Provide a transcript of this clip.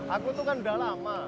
aku tuh kan udah lama